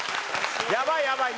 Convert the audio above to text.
やばいやばい。